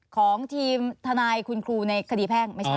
ของทีมทนายคุณครูในคดีแพ่งไม่ใช่